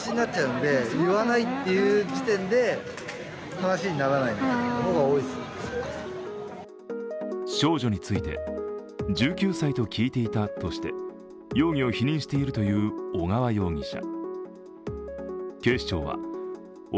小川容疑者を知る人からは少女について、１９歳と聞いていたとして、容疑を否認しているという小川容疑者。